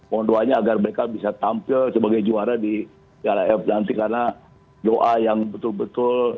mohon doanya agar beckham bisa tampil sebagai juara di piala ff nanti karena doa yang betul betul